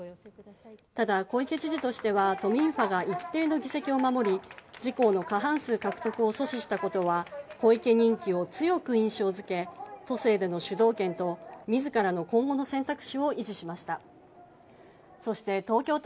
ただ、小池知事としては都民ファが一定の議席を守り自公の過半数獲得を阻止したことは小池人気を強く印象付け都政での主導権と自らの今後の選択肢を維持しました。